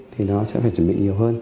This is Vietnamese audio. thì nó sẽ phải chuẩn bị